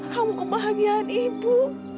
kamu kebahagiaan ibu